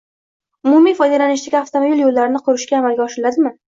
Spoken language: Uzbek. umumiy foydalanishdagi avtomobil yo'llarini qurishni amalga oshiradi